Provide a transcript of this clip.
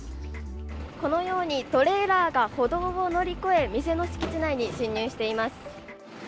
このようにトレーラーが歩道を乗り越え、店の敷地内に侵入しています。